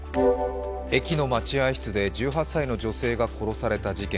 駅の待合室で１８歳の女性が殺された事件。